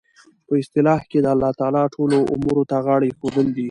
په اصطلاح کښي د الله تعالی ټولو امورو ته غاړه ایښودل دي.